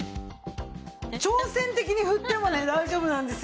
挑戦的に振ってもね大丈夫なんですよ。